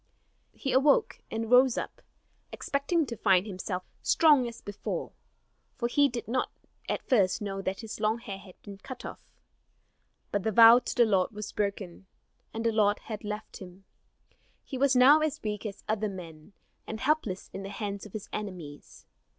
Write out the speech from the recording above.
He awoke, and rose up, expecting to find himself strong as before; for he did not at first know that his long hair had been cut off. But the vow to the Lord was broken, and the Lord had left him. He was now as weak as other men, and helpless in the hands of his enemies.